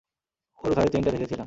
ওর ঘাড়ে চেইনটা দেখেছিলাম।